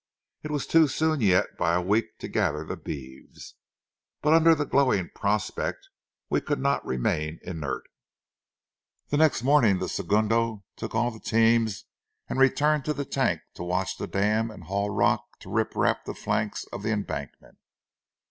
It was too soon yet by a week to gather the beeves. But under the glowing prospect, we could not remain inert. The next morning the segunão took all the teams and returned to the tank to watch the dam and haul rock to rip rap the flanks of the embankment.